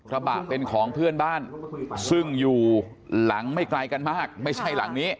ระบะเป็นของเพื่อนบ้านซึ่งอยู่หลังไม่ไกลกันมากไม่ใช่หลังนี้